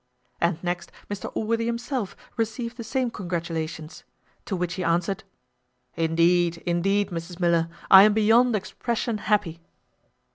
And next Mr Allworthy himself received the same congratulations. To which he answered, "Indeed, indeed, Mrs Miller, I am beyond expression happy."